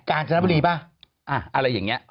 อ่ะอะไรอย่างนี้